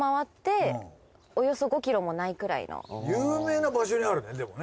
でも有名な場所にあるねでもね。